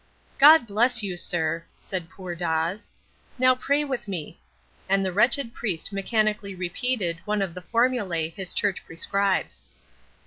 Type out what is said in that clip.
"God bless you, sir," said poor Dawes. "Now pray with me"; and the wretched priest mechanically repeated one of the formulae his Church prescribes.